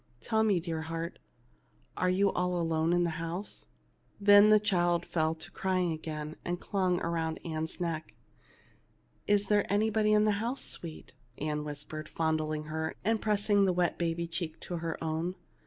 Tell me, dear heart, are you all alone in the house ?" Then the child fell to crying again, and clung around Ann's neck. 235 THE LITTLE MAID AT THE DOOR "Is there anybody in the house, sweet?" Ann whispered; fondling her, and pressing the wet baby cheek to her own.